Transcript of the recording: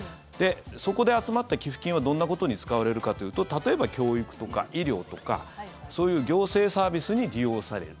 そこで集まった寄付金はどんなことに使われるかというと例えば、教育とか医療とかそういう行政サービスに利用される。